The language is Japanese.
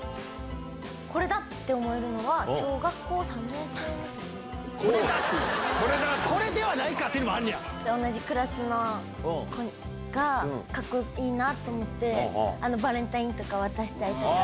これだって思えるのは、これではないかっていうのも同じクラスの子がかっこいいなと思って、バレンタインとか渡したりとか。